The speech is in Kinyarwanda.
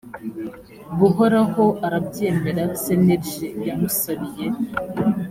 buhoraho arabyemera cnlg yamusabiye